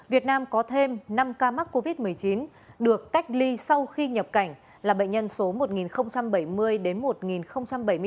việt nam có thêm năm ca mắc covid một mươi chín được cách ly sau khi nhập cảnh là bệnh nhân số một nghìn bảy mươi đến một nghìn bảy mươi chín